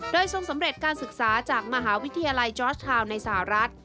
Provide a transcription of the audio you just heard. โดยทรงสำเร็จการศึกษาจากมหาวิทยาลัยจอร์สทาวน์ในสหรัฐ